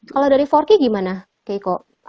kalau dari forky gimana keiko